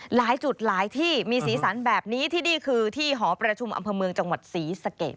หลายจุดหลายที่มีสีสันแบบนี้ที่นี่คือที่หอประชุมอำเภอเมืองจังหวัดศรีสะเกด